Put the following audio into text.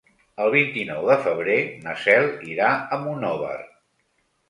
El vint-i-nou de febrer na Cel irà a Monòver.